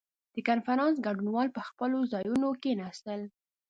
• د کنفرانس ګډونوال پر خپلو ځایونو کښېناستل.